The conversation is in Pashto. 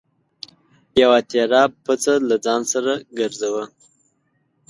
یوه تېره پڅه له ځان سره ګرځوه.